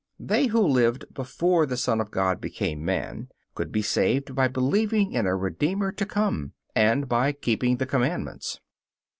They who lived before the Son of God became man could be saved by believing in a Redeemer to come, and by keeping the commandments.